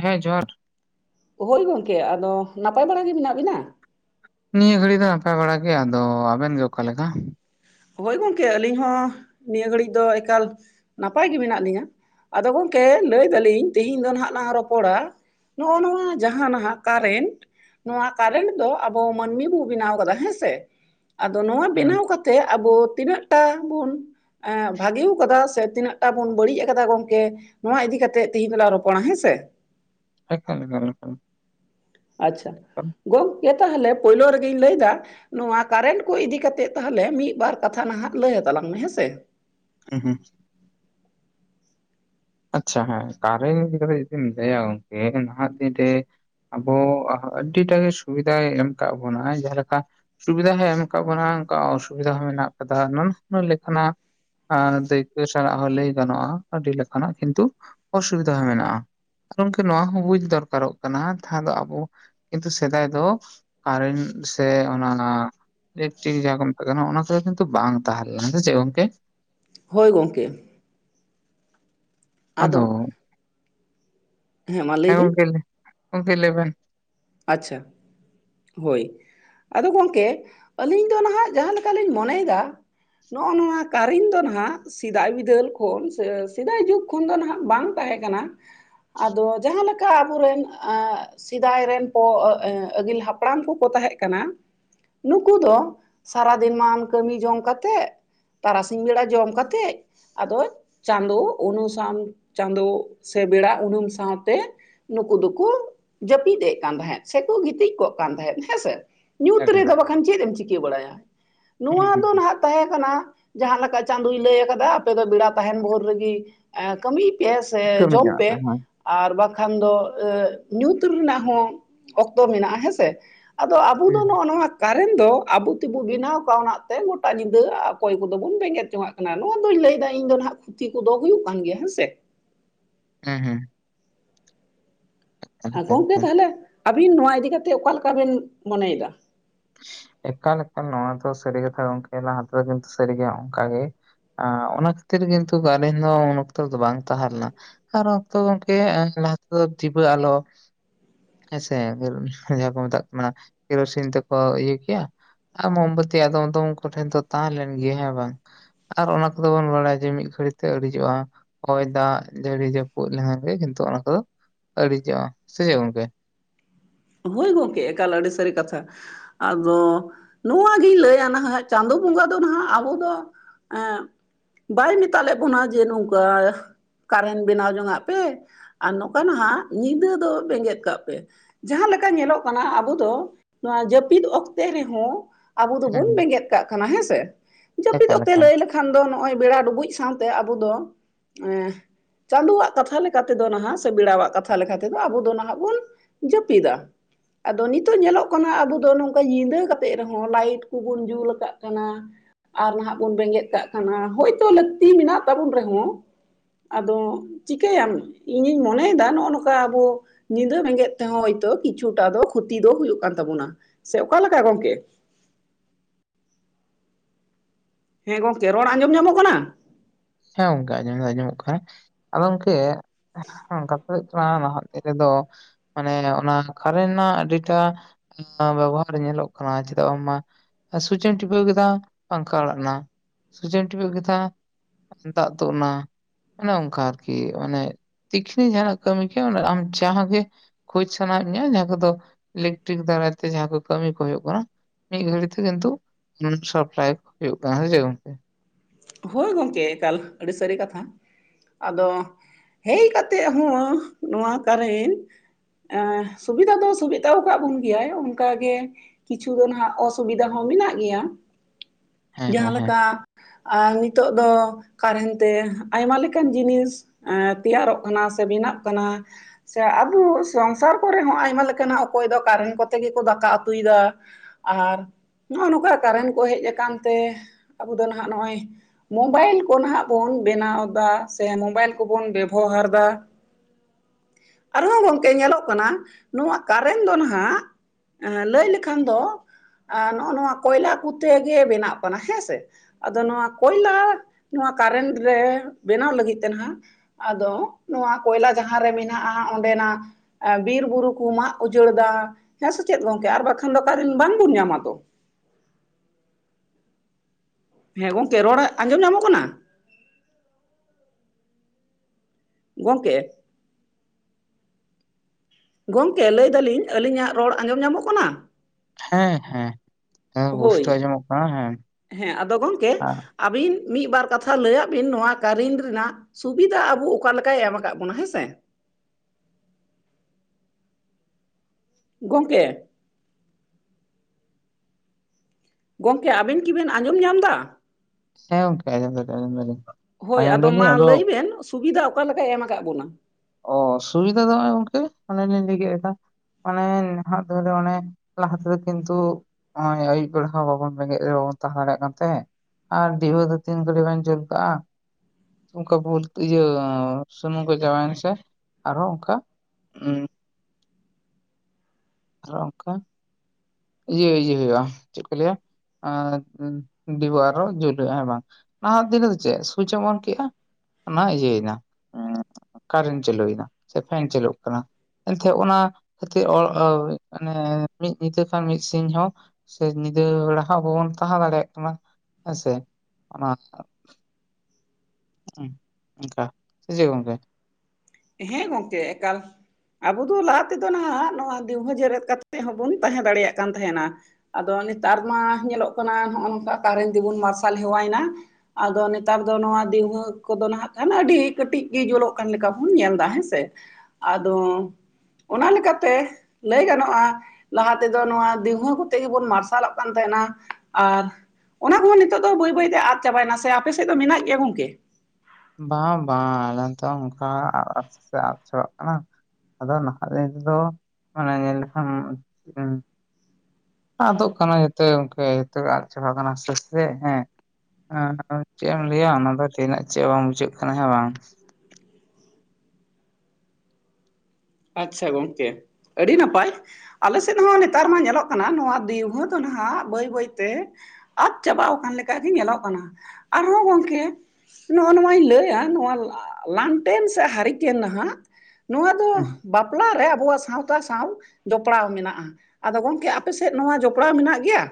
ᱦᱮᱸ ᱡᱚᱦᱟᱨ, ᱦᱳᱭ ᱜᱚᱝᱠᱮ ᱟᱫᱚ ᱱᱟᱯᱟᱭ ᱵᱟᱲᱟ ᱜᱮ ᱢᱮᱱᱟᱜ ᱵᱤᱱᱟ? ᱱᱤᱭᱟᱹ ᱜᱷᱟᱲᱤᱡ ᱫᱚ ᱱᱟᱯᱟᱭ ᱵᱟᱲᱟ ᱜᱮ ᱟᱫᱚ ᱟᱵᱮᱱ ᱜᱮ ᱚᱠᱟᱞᱮᱠᱟ? ᱦᱳᱭ ᱜᱚᱝᱠᱮ ᱟᱹᱞᱤᱧ ᱦᱚᱸ ᱱᱤᱭᱟᱹ ᱜᱷᱟᱹᱲᱤᱡ ᱫᱚ ᱮᱠᱟᱞ ᱱᱟᱯᱟᱭ ᱜᱮ ᱢᱮᱱᱟᱜ ᱞᱤᱧᱟᱹ ᱟᱫᱚ ᱜᱚᱝᱠᱮ ᱞᱟᱹᱭ ᱫᱟᱞᱤᱧ ᱛᱮᱦᱤᱧ ᱫᱚ ᱱᱟᱦᱟᱜ ᱞᱟᱝ ᱨᱚᱯᱚᱲᱟ ᱱᱚᱜᱼᱚ ᱱᱚᱣᱟ ᱡᱟᱦᱟᱸ ᱱᱟᱦᱟᱜ ᱠᱟᱨᱮᱱᱴ ᱱᱚᱣᱟ ᱠᱟᱨᱮᱱᱴ ᱫᱚ ᱟᱵᱚ ᱢᱟᱹᱱᱢᱤ ᱵᱚ ᱵᱮᱱᱟᱣ ᱠᱟᱫᱟ ᱦᱮᱸᱥᱮ ᱟᱫᱚ ᱱᱚᱣᱟ ᱦᱩᱸ ᱵᱮᱱᱟᱣ ᱠᱟᱛᱮ ᱟᱵᱚ ᱛᱤᱱᱟᱹᱜ ᱴᱟ ᱵᱚᱱ, ᱟᱸ ᱵᱷᱟᱜᱤᱣ ᱟᱠᱟᱫᱟ ᱥᱮ ᱛᱤᱱᱟᱹᱜ ᱴᱟᱜ ᱵᱚᱱ ᱵᱟᱹᱲᱤᱡ ᱟᱠᱟᱫᱟ ᱜᱚᱝᱠᱮ ᱱᱚᱶᱟ ᱤᱫᱤ ᱠᱟᱛᱮᱜ ᱛᱮᱦᱤᱧ ᱫᱚᱞᱟᱝ ᱨᱚᱯᱚᱲᱟ ᱦᱮᱸ ᱥᱮ, ᱮᱠᱟᱞ ᱮᱠᱟᱞ ᱮᱠᱟᱞ ᱟᱪᱪᱷᱟ ᱮᱠᱟᱞ ᱜᱚᱝᱠᱮ ᱛᱟᱦᱚᱞᱮ ᱯᱳᱭᱞᱳ ᱨᱮᱜᱮᱧ ᱞᱟᱹᱭ ᱮᱫᱟ ᱱᱚᱶᱟ ᱠᱟᱨᱮᱱᱴ ᱠᱚ ᱤᱫᱤ ᱠᱟᱛᱮ ᱛᱟᱦᱚᱞᱮ ᱢᱤᱫᱵᱟᱨ ᱠᱟᱛᱷᱟ ᱱᱟᱦᱟᱜ ᱞᱟᱹᱭ ᱦᱟᱛᱟᱞᱟᱝ ᱢᱮ ᱦᱮᱸᱥᱮ ᱦᱮᱸ ᱦᱩᱸ ᱟᱪᱪᱷᱟ ᱦᱮᱸ ᱠᱟᱨᱮᱱᱴ ᱤᱫᱤ ᱠᱟᱛᱮ ᱡᱩᱫᱤᱢ ᱞᱟᱹᱭᱟ ᱜᱚᱝᱠᱮ ᱱᱟᱦᱟᱜ ᱫᱤᱱ ᱨᱮ ᱟᱵᱚ [unintelligible] ᱟᱹᱰᱤᱴᱟᱜ ᱜᱮ ᱥᱩᱵᱤᱫᱷᱟᱭ ᱮᱢ ᱟᱠᱟᱫ ᱵᱚᱱᱟᱭ ᱡᱟᱦᱟᱸ ᱞᱮᱠᱟ ᱥᱩᱵᱤᱫᱷᱟ ᱦᱚᱸᱭ ᱮᱢ ᱟᱠᱟᱫ ᱵᱚᱱᱟ ᱚᱱᱠᱟ ᱚᱥᱩᱵᱤᱫᱷᱟ ᱦᱚᱸ ᱢᱮᱱᱟᱜ ᱟᱠᱟᱫᱟ ᱱᱩᱱ.. ᱱᱩᱱᱟᱹᱜ ᱞᱮᱠᱟᱱᱟᱜ ᱟᱨ ᱫᱟᱹᱭᱠᱟᱹ ᱥᱟᱞᱟᱜ ᱦᱚᱸ ᱞᱟᱹᱭ ᱜᱟᱱᱚᱜᱼᱟ ᱟᱹᱰᱤ ᱞᱮᱠᱟᱱᱟᱜ ᱠᱤᱱᱛᱩ ᱚᱥᱩᱵᱤᱫᱷᱟ ᱦᱚᱸ ᱢᱮᱱᱟᱜᱼᱟ ᱜᱚᱝᱠᱮ ᱱᱚᱣᱟ ᱦᱚᱸ ᱵᱩᱡᱽ ᱫᱚᱨᱠᱟᱨᱚᱜ ᱠᱟᱱᱟ ᱛᱟᱦ ᱫᱚ ᱟᱵᱚ ᱠᱤᱱᱛᱩ ᱥᱮᱫᱟᱭ ᱫᱚ ᱠᱟᱨᱮᱱᱴ ᱥᱮ ᱚᱱᱟ ᱱᱟᱦᱟᱸᱜ ᱤᱞᱮᱠᱴᱨᱤᱠ ᱡᱟᱸᱦᱟ ᱠᱚ ᱢᱮᱛᱟᱜ ᱠᱟᱱᱟ ᱚᱱᱟ ᱠᱚᱫᱚ ᱠᱤᱱᱛᱩ ᱵᱟᱝ ᱛᱟᱦᱮᱸ ᱞᱮᱱᱟ ᱥᱮ ᱪᱮᱫ ᱜᱚᱝᱠᱮ ᱦᱳᱭ ᱜᱚᱢᱠᱮ ᱟᱫᱚ ᱢᱟ ᱞᱟᱹᱭ ᱦᱮᱸ ᱵᱤᱱ ᱜᱚᱝᱠᱮ ᱞᱟ. ᱜᱚᱢᱠᱮ ᱞᱟ. ᱭ ᱵᱤᱱ ᱟᱪᱪᱷᱟ ᱦᱳᱭ ᱟᱫᱚ ᱜᱚᱢᱠᱮ ᱟᱹᱞᱤᱧ ᱫᱚ ᱱᱟᱦᱟᱸᱜ ᱡᱟᱦᱟᱸ ᱞᱮᱠᱟᱞᱤᱧ ᱢᱚᱱᱮᱭᱮᱫᱟ ᱱᱚᱜᱼᱚ ᱱᱚᱣᱟ ᱠᱟᱨᱤᱧ ᱫᱚ ᱱᱟᱦᱟᱸᱜ ᱥᱮᱫᱟᱭ ᱵᱤᱫᱟᱹᱞ ᱠᱷᱚᱱ ᱥᱮ ᱥᱮᱫᱟᱭ ᱡᱩᱜᱽ ᱠᱷᱚᱱ ᱫᱚ ᱱᱟᱦᱟᱸᱜ ᱵᱟᱝ ᱛᱟᱦᱮᱸ ᱠᱟᱱᱟ ᱟᱫᱚ ᱡᱟᱦᱟᱸᱞᱮᱠᱟ ᱟᱵᱚᱨᱮᱱ ᱟᱸ ᱥᱮᱫᱟᱭ ᱨᱮᱱ ᱚ... ᱚ... ᱟᱹᱜᱤᱞ ᱦᱟᱯᱲᱟᱢ ᱠᱚᱠᱚ ᱛᱟᱦᱮᱸᱫ ᱠᱟᱱᱟ ᱱᱩᱠᱩ ᱫᱚ ᱥᱟᱨᱟᱫᱤᱱ ᱢᱟᱢ ᱠᱟᱹᱢᱤ ᱡᱚᱝ ᱠᱟᱛᱮᱫ ᱛᱟᱨᱟᱥᱤᱧ ᱵᱮᱲᱟ ᱡᱚᱢ ᱠᱟᱛᱮᱫ ᱟᱫᱚ ᱪᱟᱸᱫᱚ ᱩᱱᱩ ᱥᱟᱶ ᱪᱟᱸᱫᱚ ᱥᱮ ᱵᱮᱲᱟ ᱩᱱᱩᱢ ᱥᱟᱶᱛᱮ ᱱᱩᱠᱩ ᱫᱚ ᱠᱚ ᱡᱟᱹᱯᱤᱫ ᱮᱫ ᱠᱟᱱ ᱛᱟᱦᱮᱸᱫ ᱥᱮ ᱠᱚ ᱜᱤᱛᱤᱡ ᱠᱚᱜ ᱠᱟᱱ ᱛᱟᱦᱮᱸᱫ ᱦᱮᱸᱥᱮ ᱧᱩᱛ ᱮᱠᱟᱞ ᱨᱮᱫᱚ ᱮᱠᱟᱞ ᱵᱟᱠᱷᱟᱱ ᱪᱮᱫ ᱮᱢ ᱪᱤᱠᱟᱹ ᱵᱟᱲᱟᱭᱟ ᱦᱩᱸ ᱱᱚᱣᱟ ᱦᱩᱸ ᱫᱚ ᱱᱟᱦᱟᱸᱜ ᱛᱟᱦᱮᱸ ᱠᱟᱱᱟ ᱡᱟᱦᱟᱸ ᱞᱮᱠᱟ ᱪᱟᱸᱫᱳᱭ ᱞᱟᱹᱭ ᱟᱠᱟᱫᱟ ᱟᱯᱮ ᱫᱚ ᱵᱮᱲᱟ ᱛᱟᱦᱮᱱ ᱵᱷᱚᱨ ᱨᱮ ᱜᱤ ᱮᱸ ᱠᱟᱹᱢᱤ ᱯᱮ ᱥᱮ ᱦᱩᱸ ᱠᱟᱹᱢᱤ ᱡᱚᱢ ᱪᱟᱞᱟᱜ ᱛᱟᱦᱮᱸ ᱯᱮ ᱦᱳᱭ᱾ ᱟᱨ ᱵᱟᱝᱠᱷᱟᱱ ᱫᱚ ᱧᱩᱛ ᱨᱮᱱᱟᱜ ᱦᱚᱸ ᱚᱠᱛᱚ ᱢᱮᱱᱟᱜᱼᱟ ᱦᱮᱸᱥᱮ ᱟᱫᱚ ᱟᱵᱩ ᱦᱩᱸ ᱫᱚ ᱱᱚᱜᱼᱚ ᱱᱚᱶᱟ ᱠᱟᱨᱮᱱᱴ ᱫᱚ ᱟᱵᱚ ᱛᱮᱵᱚ ᱵᱮᱱᱟᱣ ᱟᱠᱟᱫ ᱚᱱᱟ ᱛᱮ ᱜᱚᱴᱟ ᱧᱤᱫᱟᱹ ᱚᱠᱚᱭ ᱠᱚᱫᱚ ᱵᱚᱱ ᱵᱮᱸᱜᱮᱫ ᱡᱚᱝᱟᱜ ᱠᱟᱱᱟ ᱠᱟᱱᱟ, ᱱᱚᱣᱟ ᱫᱚᱧ ᱞᱟᱹᱭᱫᱟ ᱤᱧ ᱫᱚ ᱱᱟᱦᱟᱜ ᱠᱷᱩᱛᱤ ᱠᱚ ᱫᱚ ᱦᱩᱭᱩᱜ ᱠᱟᱱ ᱜᱮᱭᱟ ᱦᱮᱸ ᱥᱮ ᱦᱮᱸ ᱦᱮᱸ ᱮᱠᱟᱞ ᱮᱠᱟᱞ ᱜᱚᱝᱠᱮ ᱛᱟᱦᱚᱞᱮ ᱟᱵᱤᱱ ᱱᱚᱶᱟ ᱤᱫᱤ ᱠᱟᱛᱮ ᱚᱠᱟ ᱞᱮᱠᱟ ᱵᱤᱱ ᱢᱚᱱᱮ ᱮᱫᱟ ᱮᱠᱟᱞ ᱮᱠᱟᱞ ᱱᱚᱣᱟ ᱫᱚ ᱥᱟᱹᱨᱤ ᱠᱟᱛᱷᱟ ᱜᱚᱝᱠᱮ ᱞᱟᱦᱟ ᱛᱮᱫᱚ ᱠᱤᱱᱛᱩ ᱥᱟᱹᱨᱤ ᱜᱮ ᱚᱱᱠᱟ ᱜᱮ ᱟᱸ ᱚᱱᱟ ᱠᱷᱟᱹᱛᱤᱨ ᱜᱤ ᱠᱤᱱᱛᱩ ᱠᱟᱨᱮᱱᱴ ᱫᱚ ᱩᱱ ᱚᱠᱛᱚ ᱫᱚ ᱵᱟᱝ ᱛᱟᱦᱮᱸ ᱞᱮᱱᱟ ᱟᱨ ᱦᱚᱸ ᱛᱚ ᱜᱚᱢᱠᱮ ᱞᱟᱦᱟ ᱛᱮᱫᱚ ᱰᱤᱵᱟᱹ ᱟᱞᱳᱠ ᱦᱮᱸᱥᱮ ᱯᱷᱤᱨ ᱡᱟᱦᱟᱸ ᱠᱚ ᱢᱮᱛᱟᱜ ᱠᱟᱱᱟ ᱠᱟᱱᱟ ᱠᱮᱨᱳᱥᱤᱱ ᱛᱮᱠ ᱠᱳ ᱤᱭᱟᱹ ᱠᱮᱭᱟ ᱟ ᱢᱳᱢᱵᱟᱛᱤ ᱟᱫᱚᱢ ᱟᱫᱚᱢ ᱠᱚᱴᱷᱮᱱ ᱫᱚ ᱛᱟᱦᱮᱸ ᱞᱮᱱ ᱜᱮ ᱦᱮᱸ ᱵᱟᱝ ᱟᱨ ᱚᱱᱟ ᱠᱚᱫᱚ ᱵᱚᱱ ᱵᱟᱲᱟᱭ ᱡᱮ ᱢᱤᱫ ᱜᱷᱟᱹᱲᱤᱡ ᱛᱮ ᱤᱲᱤᱡᱚᱜᱼᱟ ᱦᱚᱭ ᱫᱟᱜ ᱡᱟᱹᱲᱤ ᱡᱟᱹᱯᱩᱫ ᱞᱮᱠᱷᱟᱱ ᱜᱮ ᱠᱤᱱᱛᱩ ᱚᱱᱟ ᱠᱚᱫᱚ ᱟᱹᱲᱤᱡᱚᱜᱼᱟ ᱥᱮ ᱪᱮᱫ ᱜᱚᱝᱠᱮ ᱦᱚᱭ ᱜᱚᱝᱠᱤ ᱮᱠᱟᱞ ᱟᱹᱰᱤ ᱥᱟᱹᱨᱤ ᱠᱟᱛᱷᱟ ᱟᱫᱚ ᱱᱚᱣᱟᱜᱤᱧ ᱞᱟᱹᱭᱟ ᱱᱟᱦᱟᱜ ᱪᱟᱸᱫᱳ ᱵᱚᱸᱜᱟ ᱫᱚ ᱱᱟᱦᱟᱜ ᱟᱵᱚ ᱫᱚ ᱮᱸ ᱵᱟᱭ ᱢᱮᱛᱟ ᱞᱮᱫ ᱵᱚᱱᱟ ᱡᱮ ᱱᱚᱝᱠᱟ ᱠᱟᱨᱮᱱ ᱵᱮᱱᱟᱣ ᱡᱚᱝᱟᱜ ᱯᱮ ᱟᱨ ᱱᱚᱝ ᱠᱟ ᱱᱟᱦᱟᱜ ᱧᱤᱫᱟᱹ ᱫᱚ ᱵᱮᱸᱜᱮᱫ ᱠᱟᱜ ᱯᱮ᱾ ᱡᱟᱦᱟᱸ ᱞᱮᱠᱟ ᱧᱮᱞᱚᱜ ᱠᱟᱱᱟ ᱟᱵᱚ ᱫᱚ ᱱᱚᱣᱟ ᱡᱟᱹᱯᱤᱫ ᱚᱠᱛᱮ ᱨᱮ ᱦᱚᱸ ᱾ ᱟᱵᱚ ᱦᱮᱸ ᱫᱚᱵᱚᱱ ᱵᱮᱸᱜᱮᱫ ᱠᱟᱜ ᱠᱟᱱᱟ ᱦᱮᱸᱥᱮ ᱡᱟᱹᱯᱤᱫ ᱮᱠᱟᱞ ᱚᱠᱛᱮ ᱮᱠᱟᱞ ᱞᱟᱹᱭ [unintelligible] ᱠᱷᱟᱱ ᱫᱚ ᱱᱚᱜᱼᱚᱭ ᱵᱮᱲᱟ ᱰᱩᱵᱩᱡ ᱥᱟᱶᱛᱮ ᱟᱵᱚ ᱫᱚ ᱮ ᱪᱟᱸᱫᱳ ᱣᱟᱜ ᱠᱟᱛᱷᱟ ᱞᱮᱠᱟ ᱛᱮ ᱫᱚ ᱱᱟᱦᱟᱜ ᱥᱮ ᱵᱮᱲᱟ ᱣᱟᱜ ᱠᱟᱛᱷᱟ ᱞᱮᱠᱟᱛᱮ ᱫᱚ ᱟᱵᱚ ᱫᱚ ᱱᱟᱦᱟᱜ ᱵᱚᱱ ᱡᱟᱯᱤᱫ-ᱟ ᱟᱫᱚ ᱱᱤᱛᱚᱜ ᱧᱮᱞᱚᱜ ᱠᱟᱱᱟ ᱟᱵᱚ ᱫᱚ ᱱᱚᱝ ᱠᱟ ᱧᱤᱫᱟᱹ ᱠᱟᱛᱮᱜ ᱨᱮ ᱦᱚᱸ ᱞᱟᱭᱤᱴ ᱠᱚᱵᱚᱱ ᱡᱩᱞ ᱠᱟᱜ ᱠᱟᱱᱟ᱾ ᱟᱨ ᱱᱟᱦᱟᱜ ᱵᱚᱱ ᱵᱮᱸᱜᱮᱫ ᱠᱟᱜ ᱠᱟᱱᱟ ᱦᱳᱭ ᱛᱚ ᱞᱟᱹᱠᱛᱤ ᱢᱮᱱᱟᱜ ᱛᱟᱵᱚᱱ ᱨᱮ ᱦᱚᱸ ᱟᱫᱚ ᱪᱤᱠᱟᱹᱭᱟᱢ ᱤᱧ ᱤᱧ ᱢᱚᱱᱮ ᱭᱮᱫᱟ ᱱᱚᱜᱼᱚ ᱱᱚᱝᱠᱟ ᱟᱵᱚ ᱧᱤᱫᱟᱹ ᱵᱮᱸᱜᱮᱫ ᱛᱮ ᱦᱚᱸ ᱦᱚᱭᱛᱳ ᱠᱤᱪᱷᱩ ᱴᱟ ᱫᱚ ᱠᱷᱚᱛᱤ ᱫᱚ ᱦᱳᱭᱳᱜ ᱠᱟᱱ ᱛᱟᱵᱚᱱᱟ ᱥᱮ ᱚᱠᱟ ᱞᱮᱠᱟ ᱜᱚᱝᱠᱮ ᱦᱮᱸ ᱜᱚᱝᱠᱮ ᱨᱚᱲ ᱟᱸᱡᱚᱢ ᱧᱟᱢᱚᱜ ᱠᱟᱱᱟ᱾ ᱦᱮᱸ ᱜᱚᱝᱠᱮ ᱟᱸᱡᱚᱢ ᱫᱚ ᱟᱸᱡᱚ ᱢᱚᱜ ᱠᱟᱱᱟ᱾ ᱟᱫᱚ ᱜᱚᱝᱠᱮ ᱠᱟᱛᱷᱟ ᱦᱩᱭᱩᱜ ᱠᱟᱱᱟ᱾ ᱱᱟᱦᱟᱜ [unintelligible] ᱨᱮ ᱫᱚ ᱢᱟᱱᱮ ᱚᱱᱟ ᱠᱟᱨᱮᱱ ᱨᱮᱱᱟᱜ ᱟᱹᱰᱤᱴᱟ ᱵᱮ ᱵᱚᱦᱟᱨ ᱧᱮᱞᱚᱜ ᱠᱟᱱᱟ ᱪᱮᱫᱟᱜ ᱵᱟᱝ ᱢᱟ ᱥᱩᱡᱮᱱ ᱴᱤᱯᱤᱣ ᱠᱮᱫᱟ ᱯᱟᱝᱠᱷᱟ ᱚᱲᱟᱜ ᱮᱱᱟ ᱥᱩᱡᱮᱱ ᱴᱤᱯᱟᱹ ᱠᱮᱫᱟ ᱫᱟᱜ ᱛᱳᱫ ᱱᱟ᱾ ᱚᱱᱮ ᱚᱱᱠᱟ ᱟᱨᱠᱤ ᱢᱟᱱᱮ ᱛᱤᱠᱱᱤ ᱡᱟᱦᱟᱸᱱᱟᱜ ᱠᱟᱹᱢᱤ ᱠᱮ ᱟᱢ ᱡᱟᱦᱟᱸᱜ ᱜᱮ ᱠᱷᱳᱡᱽ ᱥᱟᱱᱟ ᱭᱮᱫ ᱢᱮᱭᱟ ᱚᱱᱟ ᱠᱚ ᱫᱚ ᱤᱞᱮᱠᱴᱨᱤᱠ ᱫᱟᱨᱟᱭ ᱛᱮ ᱡᱟᱦᱟᱸ ᱠᱚ ᱠᱟᱹᱢᱤ ᱠᱚ ᱦᱩᱭᱩᱜ ᱠᱟᱱᱟ᱾ ᱢᱤᱫ ᱜᱷᱲᱤᱡ ᱛᱮ ᱠᱤᱱᱛᱩ ᱥᱟᱯᱞᱟᱭ ᱦᱩᱭᱩᱜ ᱠᱟᱱᱟ ᱜᱚᱝᱠᱮ᱾ ᱦᱳᱭ ᱜᱚᱝᱠᱮ ᱮᱠᱟᱞ ᱟᱹᱰᱤ ᱥᱟᱹᱨᱤ ᱠᱟᱛᱷᱟ᱾ ᱟᱫᱚ ᱦᱮᱭ ᱠᱟᱛᱮᱫ ᱦᱚᱸ ᱱᱚᱶᱟ ᱯᱟᱨᱤ ᱮᱸ ᱥᱩᱵᱤᱫᱷᱟ ᱫᱚ ᱥᱩᱵᱤᱫᱷᱟ ᱟᱠᱟᱜ ᱵᱚᱱ ᱜᱮᱭᱟᱭ ᱚᱱᱠᱟ ᱜᱮ ᱠᱤᱪᱷᱩ ᱫᱚ ᱦᱟᱜ ᱚᱥᱩᱵᱤᱫᱷᱟ ᱦᱚᱸ ᱢᱮᱱᱟᱜ ᱜᱮᱭᱟ ᱦᱮᱸ ᱦᱮᱸ ᱦᱮᱸ ᱡᱟᱦᱟᱸᱞᱮᱠᱟ ᱟᱨ ᱱᱤᱛᱚᱜ ᱫᱚ ᱠᱟᱨᱮᱱ ᱛᱮ ᱟᱭᱢᱟ ᱞᱮᱠᱟᱱ ᱡᱤᱱᱤᱥ ᱮᱸᱻ ᱛᱮᱭᱟ ᱨᱚᱜ ᱠᱟᱱᱟ ᱥᱮ ᱵᱮᱱᱟᱜ ᱠᱟᱱᱟ᱾ ᱥᱮ ᱟᱵᱚ ᱥᱚᱝᱥᱟᱨ ᱠᱚᱨᱮ ᱦᱚᱸ ᱟᱭᱢᱟ ᱞᱮᱠᱟ ᱱᱟᱜ ᱚᱠᱚᱭ ᱫᱚ ᱠᱟᱨᱮᱱᱴ ᱠᱚᱛᱮ ᱜᱮ ᱠᱚ ᱫᱟᱠᱟ ᱩᱛᱩᱭ ᱮᱫᱟ᱾ ᱟᱨ ᱱᱚᱜᱼᱱᱚᱝᱠᱟ ᱠᱟᱨᱮᱱ ᱠᱚ ᱦᱮᱡ ᱟᱠᱟᱱ ᱛᱮ ᱟᱵᱚ ᱫᱚ ᱱᱟᱦᱟᱜ ᱱᱚᱜᱚᱭ ᱢᱳᱵᱟᱭᱤᱞ ᱠᱚ ᱱᱟᱦᱟᱜ ᱵᱚᱱ ᱵᱮᱱᱟᱣ ᱫᱟ ᱥᱮ ᱢᱳᱵᱟᱭᱤᱞ ᱠᱚᱵᱚᱱ ᱵᱮᱵᱚᱦᱟᱨᱫᱟ᱾ ᱟᱨ ᱦᱚᱸ ᱜᱚᱝᱠᱮ ᱧᱮᱞᱚᱜ ᱠᱟᱱᱟ ᱱᱚᱣᱟ ᱠᱟᱨᱮᱱ ᱫᱚ ᱱᱟᱦᱟᱜ ᱞᱟᱹᱭ ᱞᱮᱠᱷᱟᱱ ᱫᱚ ᱱᱚᱜᱼᱚ ᱱᱚᱣᱟ ᱠᱚᱭᱞᱟ ᱠᱚ ᱛᱮ ᱜᱮ ᱵᱮᱱᱟᱜ ᱠᱟᱱᱟ ᱦᱮᱸ ᱥᱮ ᱟᱫᱚ ᱱᱚᱣᱟ ᱠᱚᱭᱞᱟ ᱱᱚᱣᱟ ᱠᱟᱨᱮᱱᱴ ᱨᱮ ᱵᱮᱱᱟᱣ ᱞᱟᱹᱜᱤᱫ ᱛᱮ ᱱᱟᱦᱟᱜ ᱟᱫᱚ ᱱᱚᱣᱟ ᱠᱚᱭᱞᱟ ᱡᱟ ᱦᱟᱸ ᱨᱮ ᱢᱮᱱᱟᱜᱼᱟ ᱚᱸᱰᱮᱱᱟᱜ ᱵᱤᱨ ᱵᱩᱨᱩ ᱠᱚ ᱢᱟᱜ ᱩᱡᱟᱹᱲ ᱮᱫᱟ ᱦᱮᱸ ᱥᱮ ᱪᱮᱫ ᱜᱚᱝᱠᱮ ᱟᱨ ᱵᱟ ᱠᱷᱟᱱ ᱫᱚ ᱚᱠᱟ ᱫᱤᱱ ᱵᱟᱝ ᱵᱚᱱ ᱧᱟᱢᱟ ᱛᱚ᱾ ᱦᱮᱸ ᱜᱚᱝᱠᱮ ᱨᱚᱲ ᱟᱸᱡᱚᱢ ᱧᱟᱢᱚᱜ ᱠᱟᱱᱟ᱾ ᱜᱚᱝᱠᱮ ᱜᱚᱝᱠᱮ ᱞᱟᱹᱭ ᱫᱟᱞᱤᱧ ᱟᱹᱞᱤᱧ-ᱟᱜ ᱨᱚᱲ ᱟᱸᱡᱚᱢ ᱧᱟᱢᱚᱜ ᱠᱟᱱᱟ᱾ ᱦᱮᱸ ᱦᱮᱸ ᱦᱮᱸ ᱯᱩᱥᱴᱟᱹ ᱦᱳᱭ ᱟᱸᱡᱚᱢᱚᱜ ᱠᱟᱱᱟ ᱦᱮᱸ ᱦᱮᱸ ᱟᱫᱚ ᱜᱚᱝᱠᱮ ᱟᱸ ᱟᱹᱵᱤᱱ ᱢᱤᱫ ᱵᱟᱨ ᱠᱟᱛᱷᱟ ᱞᱟᱹᱭ ᱟᱜ ᱵᱤᱱ ᱱᱚᱣᱟ ᱠᱟᱨᱮᱱ ᱨᱮᱱᱟᱜ ᱥᱩᱵᱤᱫᱷᱟ ᱟᱵᱚ ᱚᱠᱟ ᱞᱮᱠᱟᱭ ᱮᱢ ᱟᱠᱟᱫ ᱵᱚᱱᱟ ᱦᱮᱸᱥᱮ ᱜᱚᱝᱠᱮ ᱜᱚᱝᱠᱮ ᱟᱵᱤᱱ ᱠᱤᱵᱤᱱ ᱟᱸᱡᱚᱢ ᱧᱟᱢ ᱮᱫᱟ᱾ ᱦᱮᱸ ᱜᱚᱝᱠᱮ ᱟᱡᱚᱢ ᱫᱟᱞᱤᱧ ᱟᱡᱟᱢ ᱫᱟᱞᱤᱧ ᱦᱳᱭ ᱟᱸᱡᱚᱢ ᱟᱫᱚ ᱫᱟᱞᱤᱧ ᱢᱟ ᱞᱟᱹᱭ ᱵᱮᱱ ᱥᱩᱵᱤᱫᱷᱟ ᱚᱠᱟᱞᱮᱠᱟᱭ ᱮᱢ ᱟᱠᱟᱫ ᱵᱚᱱᱟ᱾ ᱚ ᱥᱩᱭ ᱛᱮᱫᱚ ᱜᱚᱝᱠᱮ ᱚᱱᱮᱡᱮᱧ ᱞᱟᱹᱭ ᱠᱮᱫ ᱞᱮᱠᱟ᱾ ᱚᱱᱮ ᱱᱟᱦᱟᱸᱜ ᱫᱤᱱ ᱢᱟᱱᱮ ᱞᱟᱦᱟᱛᱮ ᱠᱤᱱᱛᱩ ᱱᱚᱜ-ᱚᱭ ᱟᱹᱭᱩᱵ ᱵᱮᱲᱟ ᱦᱚᱸ ᱵᱟᱵᱚᱱ ᱵᱮᱸᱜᱮᱫ ᱨᱮ ᱵᱟᱵᱚᱱ ᱛᱟᱦᱮᱸ ᱫᱟᱲᱮᱭᱟᱜ ᱠᱟᱱ ᱛᱟᱦᱮᱸᱫ, ᱟᱨ ᱰᱤᱦᱚ ᱫᱚ ᱛᱤᱱ ᱜᱷᱟᱲᱤ ᱮᱢ ᱡᱳᱞ ᱠᱟᱜᱼᱟ ᱚᱝᱠᱟ ᱵᱩᱞ ᱛᱮ ᱤᱭᱟᱹ ᱥᱩᱱᱩᱢ ᱠᱚ ᱡᱟᱱ ᱥᱮ ᱟᱨᱦᱚᱸ ᱚᱝᱠᱟ ᱩᱸ ᱟᱨᱚ ᱚᱝᱠᱟ ᱤᱭᱟᱹ ᱤᱭᱟᱹ ᱦᱩᱭᱩᱜᱼᱟ, ᱪᱮᱫ ᱠᱚ ᱞᱟᱹᱭᱟ ᱟᱸ ᱰᱤᱵᱟ ᱟᱨᱚ ᱡᱩᱞ ᱦᱩᱭᱩᱜᱼᱟ ᱦᱮᱸ ᱵᱟᱝ ᱱᱟᱦᱟᱸᱜ ᱫᱤᱱ ᱨᱮ ᱫᱚ ᱪᱮᱫ ᱥᱩᱭᱤᱪ ᱮᱢ ᱚᱱ ᱠᱮᱜᱼᱟ, ᱚᱱᱟ ᱤᱭᱟᱹᱭ ᱱᱟ ᱩᱸ᱾ ᱠᱟᱨᱮᱱᱴ ᱪᱟᱹᱞᱩᱭᱮᱱᱟ ᱥᱮ ᱯᱷᱮᱱ ᱪᱟᱹᱞᱩᱜ ᱠᱟᱱᱟ, ᱮᱱᱛᱮ ᱚᱱᱟ ᱠᱷᱟᱹᱛᱤᱨ ᱚ ᱳ ᱚᱱᱮ ᱢᱤᱫ ᱧᱤᱫᱟᱹ ᱠᱷᱟᱱ ᱢᱤᱫ ᱥᱤᱧ ᱦᱚᱸ ᱥᱮ ᱧᱤᱫᱟᱹ ᱵᱮᱲᱟ ᱦᱚᱸ ᱟᱵᱚᱵᱚᱱ ᱛᱟᱦᱮᱸ ᱫᱟᱲᱮᱭᱟᱜ ᱠᱟᱱᱟ ᱦᱮᱸᱥᱮ, ᱚᱱᱟ ᱩᱸᱜᱩ ᱚᱝᱠᱟ ᱥᱮᱪᱮᱫ ᱜᱚᱝᱠᱮ? ᱦᱮᱸ ᱜᱚᱝᱠᱮ ᱮᱠᱟᱞ ᱟᱵᱩ ᱫᱩ ᱞᱟᱦᱟ ᱛᱮᱫᱚ ᱱᱟᱦᱟᱸᱜ ᱱᱚᱣᱟ ᱫᱤᱣᱦᱟᱹ ᱡᱮᱨᱮᱫ ᱠᱟᱛᱮᱫ ᱦᱚᱸᱵᱚᱱ ᱛᱟᱦᱮᱸ ᱫᱟᱲᱮᱭᱟᱜ ᱠᱟᱱ ᱛᱟᱸᱦᱮᱱᱟ, ᱟᱫᱚ ᱱᱮᱛᱟᱨ ᱢᱟ ᱧᱮᱞᱚᱜ ᱠᱟᱱᱟ ᱦᱚᱸᱜᱼᱚ ᱱᱚᱝᱠᱟ ᱠᱟᱨᱮᱱ ᱛᱮᱵᱚᱱ ᱢᱟᱨᱥᱟᱞ ᱦᱮᱣᱟᱹᱭ ᱱᱟ, ᱟᱫᱚ ᱱᱮᱛᱟᱨ ᱫᱚ ᱱᱚᱣᱟ ᱫᱤᱣᱦᱟᱹ ᱠᱚᱫᱚ ᱱᱟᱦᱟᱸᱜ ᱠᱷᱟᱱ ᱟᱹᱰᱤ ᱠᱟᱹᱴᱤᱡ ᱜᱮ ᱡᱩᱞᱚᱜ ᱠᱟᱱ ᱞᱮᱠᱟ ᱧᱮᱞᱫᱟ ᱦᱮᱸᱥᱮ ᱟᱫᱚ ᱚᱱᱟ ᱞᱮᱠᱟᱛᱮ ᱞᱟᱹᱭ ᱜᱟᱱᱚᱜᱼᱟ ᱞᱟᱦᱟ ᱛᱮᱫᱚ ᱱᱚᱣᱟ ᱫᱤᱣᱦᱟᱹ ᱠᱚᱛᱮ ᱜᱮᱵᱚᱱ ᱢᱟᱨᱥᱟᱞᱚᱜ ᱠᱟᱱ ᱛᱟᱸᱦᱮᱱᱟ, ᱟᱨ ᱚᱱᱟ ᱠᱚᱦᱚᱸ ᱱᱤᱛᱚᱜ ᱫᱚ ᱵᱟᱹᱭ ᱵᱟᱹᱭ ᱛᱮ ᱟᱫ ᱪᱟᱵᱟᱭ ᱱᱟ, ᱥᱮ ᱟᱯᱮᱥᱮᱫ ᱫᱚ ᱢᱮᱱᱟᱜ ᱜᱮᱭᱟ ᱜᱚᱝᱠᱮ? ᱵᱟᱝ ᱵᱟᱝ ᱟᱞᱮ ᱱᱚᱛᱮ ᱦᱚᱸ ᱱᱚᱠᱟ ᱟ ᱟᱫ ᱪᱟᱵᱟᱜ ᱠᱟᱱᱟ᱾ ᱟᱫᱚ ᱱᱟᱦᱟᱸᱜ ᱫᱤᱱ ᱫᱚ ᱢᱟᱱᱮ ᱧᱮᱞ ᱞᱮᱠᱷᱟᱱ ᱟᱸ ᱩᱸ ᱟᱫᱚᱜ ᱠᱟᱱᱟ ᱡᱚᱛᱚ ᱜᱮ ᱜᱚᱝᱠᱮ ᱡᱚᱛᱚ ᱜᱮ ᱟᱫ ᱪᱟᱵᱟᱜ ᱠᱟᱱᱟ ᱟᱥᱛᱮ ᱟᱥᱛᱮ ᱦᱮᱸ᱾ ᱟ ᱪᱮᱫ ᱮᱢ ᱞᱟᱹᱭᱟ ᱚᱱᱟ ᱫᱚ ᱛᱤᱱᱟᱹᱜ ᱪᱚ ᱢᱩᱪᱟᱹᱫ ᱠᱟᱱᱟ ᱦᱮᱸ ᱵᱟᱝ? ᱟᱪᱪᱷᱟ ᱜᱚᱝᱠᱮ ᱟᱹᱰᱤ ᱱᱟᱯᱟᱭ᱾ ᱟᱞᱮ ᱥᱮᱫ ᱦᱚᱸ ᱱᱮᱛᱟᱨ ᱢᱟ ᱧᱮᱞᱚᱜ ᱠᱟᱱᱟ ᱱᱚᱣᱟ ᱫᱤᱣᱜᱟᱹ ᱫᱚ ᱱᱟᱦᱟᱸᱜ ᱵᱟᱹᱭ ᱵᱟᱹᱭ ᱛᱮ ᱟᱫ ᱪᱟᱵᱟᱣ ᱟᱠᱟᱱ ᱞᱮᱠᱟ ᱜᱮ ᱧᱮᱞᱚᱜ ᱠᱟᱱᱟ, ᱟᱨᱦᱚᱸ ᱜᱚᱝᱠᱮ ᱱᱚᱜᱼᱚ ᱱᱚᱣᱟᱧ ᱞᱟᱹᱭᱟ ᱱᱚᱣᱟ ᱞᱟᱱᱴᱮᱱ ᱥᱮ ᱦᱟᱹᱨᱤᱠᱮᱱ ᱱᱟᱦᱟᱸᱜ ᱱᱚᱣᱟ ᱫᱚ ᱵᱟᱯᱞᱟ ᱨᱮ ᱟᱵᱩᱣᱟᱜ ᱥᱟᱶᱛᱟ ᱥᱟᱶ ᱡᱚᱯᱲᱟᱣ ᱢᱮᱱᱟᱜᱼᱟ᱾ ᱟᱫᱚ ᱜᱚᱝᱠᱮ ᱟᱯᱮᱥᱮᱫ ᱱᱚᱣᱟ ᱡᱚᱯᱲᱟᱣ ᱢᱮᱱᱟᱜ ᱜᱮᱭᱟ?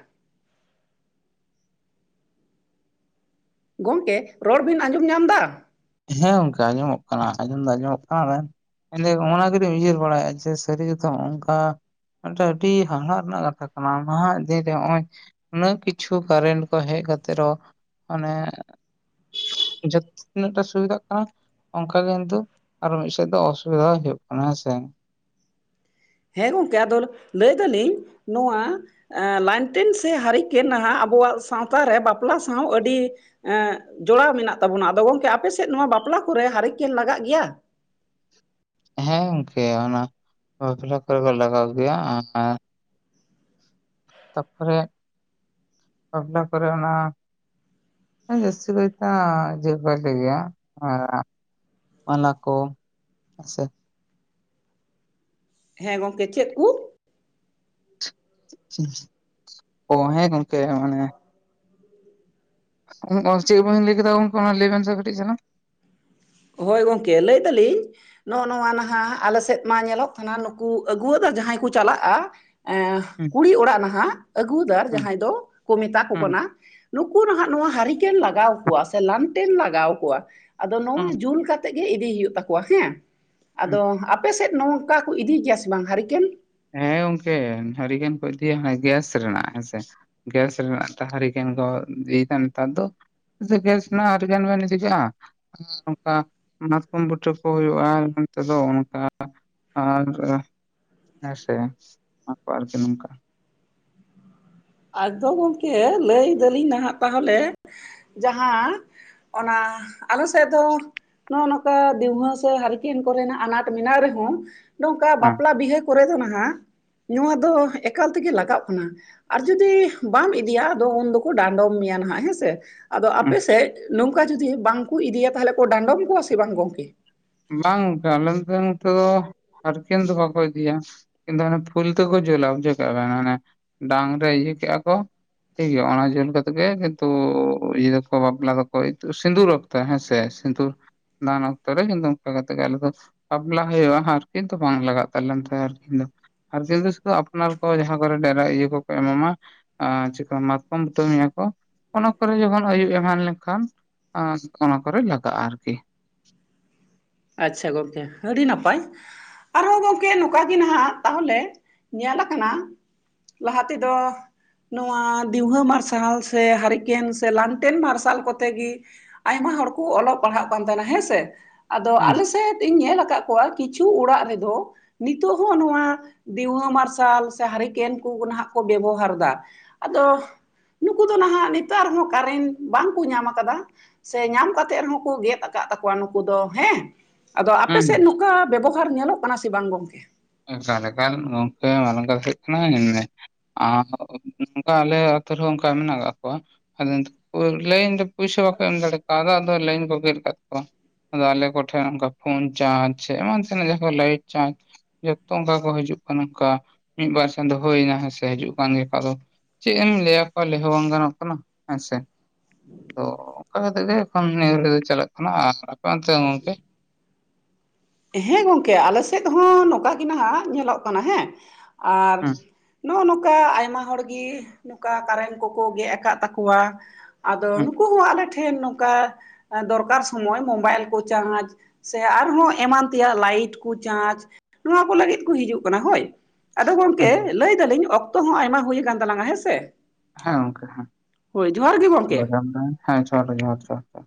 ᱜᱚᱝᱠᱮ, ᱨᱚᱲ ᱵᱤᱱ ᱟᱸᱡᱚᱢ ᱧᱟᱢ ᱫᱟ? ᱦᱮᱸ ᱜᱚᱝᱠᱮ ᱟᱸᱡᱚᱢᱚᱜ ᱠᱟᱱᱟ, ᱟᱸᱡᱚᱢ ᱫᱚ ᱟᱸᱡᱚᱢᱚᱜ ᱠᱟᱱᱟ [unintelligible] ᱢᱮᱱ ᱫᱤᱧ ᱦᱚᱸᱜᱚᱱᱟ ᱜᱮᱫᱚᱧ ᱩᱭᱦᱟᱹᱨ ᱵᱟᱲᱟᱭᱟ ᱡᱮ ᱥᱟᱹᱨᱤ ᱜᱮᱛᱚ ᱚᱝᱠᱟ ᱢᱤᱫᱴᱟᱜ ᱟᱹᱰᱤ ᱦᱟᱦᱟᱲᱟᱜ ᱨᱮᱱᱟᱜ ᱠᱟᱛᱷᱟ ᱠᱟᱱᱟ, ᱱᱟᱦᱟᱸᱜ ᱫᱤᱱ ᱨᱮ ᱱᱚᱜᱼᱚᱭ ᱩᱱᱟᱹᱜ ᱠᱤᱪᱷᱩ ᱠᱟᱨᱮᱱᱴ ᱠᱚ ᱦᱮᱡ ᱠᱟᱛᱮ ᱨᱮᱦᱚ ᱢᱟᱱᱮ ᱡᱷᱚᱛ ᱛᱤᱱᱟᱹᱜᱴᱟ ᱥᱩᱵᱤᱫᱟᱜ ᱠᱟᱱᱟ, ᱚᱝᱠᱟ ᱜᱮ ᱠᱤᱱᱛᱩ ᱟᱨᱚ ᱢᱤᱫ ᱥᱮᱫ ᱫᱚ ᱚᱥᱩᱵᱤᱫᱟ ᱦᱩᱭᱩᱜ ᱠᱟᱱᱟ ᱦᱮᱸᱥᱮ᱾ ᱦᱮᱸ ᱜᱚᱝᱠᱮ ᱟᱫᱚ ᱞᱟᱹᱭ ᱫᱟᱞᱤᱧ ᱱᱚᱣᱟ ᱮᱸ ᱞᱟᱭᱮᱱᱴᱮᱱ ᱥᱮ ᱦᱟᱹᱨᱤᱠᱮᱱ ᱱᱟᱦᱟᱸᱜ ᱟᱵᱚᱣᱟᱜ ᱥᱟᱶᱛᱟ ᱨᱮ ᱵᱟᱯᱞᱟ ᱥᱟᱶ ᱟᱹᱰᱤ ᱮᱸᱜ ᱡᱚᱲᱟᱣ ᱢᱮᱱᱟᱜ ᱛᱟᱵᱚᱱᱟ, ᱟᱫᱚ ᱜᱚᱝᱠᱮ ᱟᱯᱮ ᱥᱮᱫ ᱱᱚᱣᱟ ᱵᱟᱯᱞᱟ ᱠᱚᱨᱮ ᱦᱟᱨᱤᱠᱮᱱ ᱞᱟᱜᱟᱜ ᱜᱮᱭᱟ? ᱦᱮᱸ ᱜᱚᱝᱠᱮ ᱚᱱᱟ ᱵᱟᱯᱞᱟ ᱠᱚᱨᱮ ᱠᱚ ᱞᱟᱜᱟᱣ ᱜᱮᱭᱟ ᱟᱸ ᱛᱟ ᱯᱚᱨᱮ ᱵᱟᱯᱞᱟ ᱠᱚᱨᱮ ᱚᱱᱟ ᱡᱟᱹᱥᱛᱤ ᱠᱟᱭᱛᱮ ᱡᱤᱵᱟ ᱜᱮᱭᱟ ᱟᱨ ᱚᱱᱟ ᱠᱚ ᱦᱮᱸᱥᱮ᱾ ᱦᱮᱸ ᱜᱚᱝᱠᱮ ᱪᱮᱫ ᱠᱩ? ᱚ ᱦᱮᱸ ᱜᱚᱢᱠᱮ ᱦᱚᱜᱚᱭ ᱮ ᱚᱜᱞ ᱪᱮᱫ ᱵᱟᱹᱧ ᱞᱟᱹᱭ ᱠᱮᱫᱟ ᱜᱚᱝᱠᱮ ᱚᱱᱟ ᱞᱟᱭᱵᱮᱱ ᱥᱮ ᱠᱟᱴᱤᱡᱷ ᱪᱟᱞᱟᱝ ᱦᱳᱭ ᱜᱚᱝᱠᱮ ᱞᱟᱹᱭ ᱫᱟᱞᱤᱧ ᱱᱚᱜᱚ ᱱᱚᱣᱟ ᱱᱟᱦᱟᱜ ᱟᱞᱮ ᱥᱮᱫ ᱢᱟ ᱧᱮᱞᱚᱜ ᱠᱟᱱᱟ ᱱᱩᱠᱩ ᱟᱹᱜᱩᱣᱟᱫᱟ ᱡᱟᱦᱟᱸᱭ ᱠᱚ ᱪᱟᱞᱟᱜᱼᱟ ᱮ ᱦᱩᱸ ᱠᱩᱲᱤ ᱚᱲᱟᱜ ᱱᱟᱦᱟᱜ ᱟᱹᱜᱩᱣᱟᱫᱟᱨ ᱦᱩᱸ ᱡᱟᱦᱟᱸᱭ ᱫᱚ ᱠᱚ ᱢᱮᱛᱟ ᱠᱚ ᱦᱩᱸ ᱠᱟᱱᱟ ᱱᱩᱠᱩ ᱱᱟᱦᱟᱜ ᱱᱚᱣᱟ ᱦᱟᱹᱨᱤᱠᱮᱱ ᱞᱟᱜᱟᱣ ᱠᱚᱣᱟ ᱥᱮ ᱞᱟᱱᱴᱮᱱ ᱞᱟᱜᱟᱣ ᱠᱚᱣᱟ ᱟᱫᱚ ᱦᱩᱸ ᱱᱚᱣᱟ ᱛᱩᱞ ᱠᱟᱛᱮ ᱜᱮ ᱤᱫᱤ ᱦᱩᱭᱩᱜ ᱛᱟᱠᱚᱣᱟ ᱦᱮᱸ ᱦᱩᱸ ᱟᱫᱚ ᱟᱯ ᱟᱯᱮᱥᱮᱫ ᱱᱚᱝᱠᱟ ᱠᱚ ᱤᱫᱤ ᱜᱮᱭᱟ ᱥᱮ ᱵᱟᱝ ᱦᱟᱨᱠᱮᱱ ᱦᱮᱸ ᱜᱚᱝᱠᱮ ᱦᱟᱹᱨᱤᱠᱮᱱ ᱠᱚ ᱤᱫᱤᱭᱟ ᱚᱱᱟ ᱜᱮᱥ ᱨᱮᱱᱟᱜ ᱦᱮᱸᱥᱮ ᱜᱮᱥ ᱨᱮᱱᱟᱜ ᱛᱟ ᱦᱟᱨᱤᱠᱮᱱ ᱠᱚ ᱤᱫᱤᱭ ᱫᱟ ᱱᱮᱛᱟᱨ ᱫᱚ ᱥᱮ ᱜᱮᱸᱥ ᱨᱮᱱᱟᱜ ᱦᱟᱨᱤᱠᱮᱱ ᱵᱮᱱ ᱮᱫᱤᱠᱟᱜᱼᱟ᱾ ᱟᱨ ᱚᱱᱠᱟ ᱢᱟᱛᱠᱚᱢ ᱵᱩᱴᱟᱹ ᱠᱚ ᱦᱩᱭᱩᱜᱼᱟ ᱱᱚᱛᱮᱫᱚ ᱚᱱᱠᱟ ᱟᱨ ᱠᱟᱜᱼᱟ ᱦᱮᱸ ᱥᱮ [unintelligible] ᱟᱫᱚ ᱜᱚᱝᱠᱮ ᱞᱟᱹᱭ ᱫᱟᱞᱤᱧ ᱱᱟᱦᱟᱜ ᱛᱟᱦᱚᱞᱮ ᱡᱟᱦᱟᱸ ᱚᱱᱟ ᱟᱞᱮ ᱥᱮᱫ ᱫᱚ ᱱᱚᱜ ᱚ ᱱᱚᱝᱠᱟ ᱫᱤᱣᱦᱟᱹ ᱥᱮ ᱦᱟᱨᱤᱠᱮᱱ ᱠᱚᱨᱮᱱᱟᱜ ᱟᱱᱟᱴ ᱢᱮᱱᱟᱜ ᱨᱮᱦᱚᱸ ᱱᱚᱝᱠᱟ ᱵᱟᱯᱞᱟ ᱵᱤᱦᱟᱹ ᱠᱚᱨᱮ ᱫᱚ ᱱᱟᱦᱟᱜ ᱱᱚᱣᱟ ᱫᱚ ᱮᱠᱟᱞ ᱛᱮᱜᱮ ᱞᱟᱜᱚᱜ ᱠᱟᱱᱟ᱾ ᱟᱨ ᱡᱩᱫᱤ ᱵᱟᱢ ᱤᱫᱤᱭᱟ ᱟᱫᱚ ᱩᱱ ᱫᱚᱠᱚ ᱰᱟᱸᱰᱚᱢ ᱢᱮᱭᱟ ᱱᱟᱦᱟᱜ ᱦᱮᱸᱥᱮ ᱟᱫᱚ ᱦᱮᱸ ᱟᱯᱮᱥᱮᱡ ᱱᱚᱝᱠᱟ ᱡᱩᱚᱫᱤ ᱵᱟᱝᱠᱚ ᱤᱫᱤᱭᱟ ᱛᱟᱦᱚᱞᱮ ᱠᱚ ᱰᱟᱸᱰᱚᱢ ᱠᱚᱣᱟ ᱥᱮ ᱵᱟᱝ ᱜᱚᱝᱠᱮ ᱵᱟᱝ ᱜᱚᱢᱠᱮ ᱟᱞᱮ ᱱᱚᱛᱮ ᱱᱚᱛᱮ ᱫᱚ ᱦᱟᱨᱠᱤᱱ ᱫᱚ ᱵᱟᱠᱚ ᱤᱫᱤᱭᱟ ᱠᱤᱱᱛᱩ ᱟᱱᱮ ᱯᱷᱩᱞᱛᱮ ᱠᱚ ᱡᱩᱞᱟ ᱵᱩᱡᱷᱟᱹᱣ ᱠᱮᱫ-ᱟ ᱵᱮᱱ ᱟᱱᱮ ᱰᱟᱝ ᱨᱮ ᱤᱭᱟᱹ ᱠᱮᱫ-ᱟ ᱠᱚ [unintelligible] ᱴᱷᱤᱠ ᱜᱮᱭᱟ ᱚᱱᱟ ᱡᱩᱞ ᱠᱟᱛᱮᱜᱮ ᱠᱤᱱᱛᱩ ᱤᱭᱟᱹ ᱫᱚᱠᱚ ᱵᱟᱯᱞᱟ ᱫᱚᱠᱚ ᱤᱛᱩᱫ ᱥᱤᱫᱩᱨ ᱟᱠᱟ ᱛᱟ ᱦᱮᱸᱥᱮ ᱥᱤᱫᱩᱨ ᱫᱟᱱ ᱚᱠᱛᱚ ᱨᱮ ᱠᱤᱱᱛᱩ ᱱᱚᱝᱠᱟ ᱠᱟᱛᱮᱜᱮ ᱟᱞᱮ ᱫᱚ ᱵᱟᱯᱞᱟ ᱦᱩᱭᱩᱜᱼᱟ ᱦᱟᱨᱠᱤᱱ ᱛᱚ ᱵᱟᱝ ᱞᱟᱜ ᱛᱟᱞᱮᱱ ᱛᱟᱦᱮᱡ ᱟᱨᱠᱤ ᱦᱟᱨᱠᱤᱱ ᱫᱚ ᱥᱩᱫᱷᱩ ᱟᱯᱱᱟᱨ ᱠᱚ ᱡᱟᱦᱟᱸ ᱠᱚᱨᱮ ᱰᱮᱨᱟ ᱤᱭᱟᱹ ᱠᱚᱠᱚ ᱮᱢᱟᱢᱟ ᱟᱨ ᱪᱤᱠᱟ ᱢᱟᱛᱠᱚᱢᱵᱩᱴᱟᱹ ᱢᱮᱭᱟ ᱠᱚ ᱚᱱᱟ ᱠᱚᱨᱮ ᱡᱚᱠᱷᱚᱱ ᱟᱹᱭᱩᱵ ᱮᱢᱟᱱ ᱞᱮᱱᱠᱷᱟᱱ ᱟᱸᱥ ᱚᱱᱟ ᱠᱚᱨᱮ ᱞᱟᱜᱟᱜᱼᱟ ᱟᱨᱠᱤ ᱟᱪᱪᱷᱟ ᱜᱚᱢᱠᱮ ᱟᱹᱰᱤ ᱱᱟᱯᱟᱭ ᱟᱨᱦᱚᱸ ᱜᱚᱢᱠᱮ ᱱᱚᱝᱠᱟ ᱜᱮ ᱱᱟᱦᱟᱜ ᱛᱟᱦᱚᱞᱮ ᱧᱮᱞ ᱠᱟᱱᱟ ᱞᱟᱦᱟ ᱛᱮᱫᱚ ᱱᱚᱣᱟ ᱫᱤᱣᱦᱟᱹ ᱢᱟᱨᱥᱟᱞ ᱥᱮ ᱦᱟᱹᱨᱠᱮᱱ ᱥᱮ ᱞᱟᱱᱴᱮᱱ ᱢᱟᱨᱥᱟᱞ ᱠᱚᱛᱮ ᱜᱤ ᱟᱭᱢᱟ ᱦᱚᱲᱠᱚ ᱚᱞᱚᱜ ᱯᱟᱲᱦᱟᱜ ᱠᱟᱱ ᱛᱟᱦᱮᱱᱟ ᱦᱮᱸᱥᱮ ᱟᱫᱚ ᱦᱩᱸ ᱟᱞᱮᱥᱮᱫ ᱤᱧ ᱧᱮᱞ ᱟᱠᱟᱫ ᱠᱚᱣᱟ ᱠᱤᱪᱷᱩ ᱚᱲᱟᱜ ᱨᱮᱫᱚ ᱱᱤᱛᱚᱜ ᱦᱚᱸ ᱱᱚᱣᱟ ᱫᱤᱣᱦᱟᱹ ᱢᱟᱨᱥᱟᱞ ᱥᱮ ᱦᱟᱨᱠᱮᱱ ᱠᱚ ᱱᱟᱦᱟᱜ ᱠᱚ ᱵᱮᱵᱚᱦᱟᱨ ᱫᱟ ᱟᱫᱚ ᱱᱩᱠᱩ ᱫᱚ ᱱᱟᱦᱟᱜ ᱱᱮᱛᱟᱨ ᱦᱚᱸ ᱠᱟᱨᱮᱱᱴ ᱵᱟᱝᱠᱚ ᱧᱟᱢ ᱠᱟᱫᱟ ᱥᱮ ᱧᱟᱢ ᱠᱟᱛᱮᱜ ᱨᱮᱦᱚᱸᱠᱚ ᱜᱮᱫ ᱟᱠᱟᱫ ᱛᱟᱠᱚᱣᱟ ᱱᱩᱠᱩ ᱫᱚ ᱦᱮᱸ ᱟᱫᱚ ᱦᱩᱸ ᱟᱯᱮᱥᱮᱫ ᱱᱚᱝᱠᱟ ᱵᱮᱵᱚᱦᱟᱨ ᱧᱮᱞᱚᱜ ᱠᱟᱱᱟ ᱥᱮ ᱵᱟᱝ ᱜᱚᱢᱠᱮ ᱮᱠᱟᱞᱮᱠᱟᱮ ᱜᱚᱢᱠᱮ ᱱᱚᱜ-ᱚ ᱱᱚᱝᱠᱟ ᱠᱟᱹᱴᱤᱡ ᱠᱟᱱᱟ ᱧᱮᱞᱢᱮ [unintelligible] ᱱᱚᱝᱠᱟ ᱟᱞᱮ ᱟᱛᱳ ᱨᱮᱦᱚᱸ ᱚᱱᱠᱟ ᱢᱮᱱᱟᱜ ᱠᱟᱜ ᱠᱚᱣᱟ ᱟᱫᱚ ᱱᱤᱛᱚᱜ ᱠᱚ ᱞᱟᱹᱭᱟ ᱤᱧ ᱫᱚ ᱯᱩᱭᱥᱟᱹ ᱵᱟᱠᱚ ᱮᱢ ᱫᱟᱲᱮ ᱠᱚᱣᱫᱟ ᱟᱫᱚ ᱞᱟᱭᱤᱱ ᱠᱚ ᱜᱮᱫ ᱟᱠᱟᱫ ᱛᱚᱣᱟ ᱟᱫᱚ ᱟᱞᱮ ᱠᱚᱴᱷᱮᱱ ᱚᱱᱠᱟ ᱯᱷᱳᱱ ᱪᱟᱨᱡᱽ ᱮᱢᱟᱱ ᱛᱮᱱᱟᱜ ᱡᱟᱦᱟ ᱠᱚ ᱞᱟᱭᱤᱴ ᱪᱟᱨᱡᱽ ᱡᱚᱛᱚ ᱚᱱᱠᱟ ᱜᱮ ᱠᱚ ᱦᱤᱡᱩᱜ ᱠᱟᱱᱟ ᱚᱱᱠᱟ ᱢᱤᱫᱵᱟᱨ ᱪᱟᱸᱫᱳ ᱦᱳᱭᱱᱟ ᱦᱮᱸᱥᱮ ᱦᱤᱡᱩᱜ ᱠᱟᱱ ᱜᱮᱭᱟ ᱠᱚ ᱟᱫᱚ ᱪᱮᱫ ᱮᱢ ᱞᱟᱹᱭᱟᱠᱚᱣᱟ ᱞᱮᱦᱚᱸ ᱵᱟᱝ ᱜᱟᱱᱚᱜ ᱠᱟᱱᱟ ᱦᱮᱸᱥᱮ ᱛᱚ ᱚᱱᱠᱟ ᱠᱟᱛᱮ ᱜᱮ ᱮᱠᱷᱚᱱ ᱱᱤᱭᱟᱹ ᱜᱷᱟᱲᱤᱡ ᱫᱚ ᱪᱟᱞᱟᱜ ᱠᱟᱱᱟ ᱟᱨ ᱟᱯᱮ ᱚᱱᱛᱮ ᱜᱚᱢᱠᱮ ᱦᱮᱸ ᱜᱚᱢᱠᱮ ᱟᱞᱮ ᱥᱮᱫ ᱦᱚᱸ ᱱᱚᱝᱠᱟ ᱜᱮ, ᱱᱟᱦᱟᱜ ᱧᱮᱞᱚᱜ ᱠᱟᱱᱟ ᱦᱮᱸ, ᱟᱨ ᱦᱮᱸ ᱱᱚᱜᱼᱚ ᱱᱚᱝᱠᱟ ᱟᱭᱢᱟ ᱦᱚᱲᱜᱮ, ᱱᱚᱝᱠᱟ ᱠᱟᱨᱮᱱᱴ ᱠᱚᱠᱚ ᱜᱮᱜ ᱟᱠᱟᱜ ᱛᱟᱠᱚᱶᱟ᱾ ᱟᱫᱚ ᱦᱮᱸ ᱱᱩᱠᱩ ᱦᱚᱸ ᱟᱞᱮᱴᱷᱮ ᱴᱷᱮᱱ ᱱᱚᱝᱠᱟ ᱫᱚᱨᱠᱟᱨ ᱥᱚᱢᱚᱭ, ᱢᱳᱵᱟᱭᱤᱞ ᱠᱚ ᱪᱟᱨᱡᱽ ᱥᱮ ᱟᱨᱦᱚᱸ ᱮᱢᱟᱱ ᱛᱮᱭᱟᱜ ᱞᱟᱭᱤᱴ ᱠᱚ ᱪᱟᱨᱡᱽ, ᱱᱚᱣᱟ ᱠᱚ ᱞᱟᱹᱜᱤᱫ ᱠᱚ ᱦᱤᱡᱩᱜ ᱠᱟᱱᱟ ᱦᱳᱭ᱾ ᱟᱫᱚ ᱜᱚᱝᱠᱮ ᱦᱮᱸ ᱞᱟᱹᱭ ᱫᱟᱞᱤᱧ, ᱚᱠᱛᱚ ᱦᱚᱸ ᱟᱭᱢᱟ ᱦᱳᱭ ᱠᱟᱱ ᱛᱟᱞᱟᱝᱟ ᱦᱮᱸᱥᱮ? ᱦᱮᱸ ᱜᱚᱢᱠᱮ ᱦᱮᱸ, ᱚᱠᱛᱚ ᱜᱚᱝᱠᱮ ᱵᱟᱡᱟᱣᱱᱟ ᱦᱮᱸ ᱡᱚᱦᱟᱨ ᱜᱮ, ᱡᱚᱦᱟᱨ ᱡᱚᱦᱟᱨ᱾